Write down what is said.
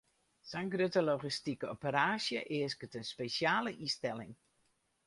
Sa'n grutte logistike operaasje easket in spesjale ynstelling.